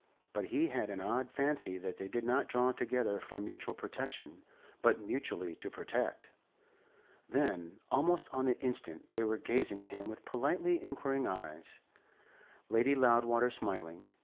But he had an odd fancy that they did not draw together for mutual protection, but mutually to protect. Then, almost on the instant, they were gazing at him with politely inquiring eyes, Lady Loudwater smiling.